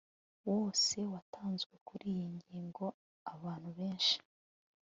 wose watanzwe kuri iyi ngingo abantu benshi